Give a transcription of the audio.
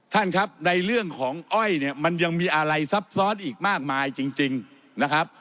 ท่านครับในเรื่องของอ้อยเนี่ยมันยังมีอะไรซับซ้อนอีกมากมายจริงนะครับ